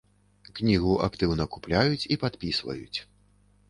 Кнігу актыўна купляюць і падпісваюць.